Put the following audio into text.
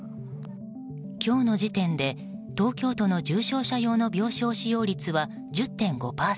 今日の時点で東京都の重症者用の病床使用率は１０．５％。